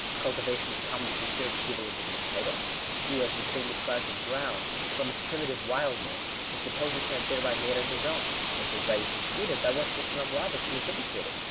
Cultivation is commonly considered to give a legitimate title. He who has reclaimed a tract of ground from its primitive wildness, is supposed to have thereby made it his own. But if his right is disputed, by what system of logic can he vindicate it?